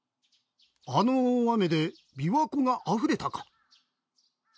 あの大雨で琵琶湖があふれたか。